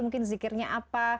mungkin zikirnya apa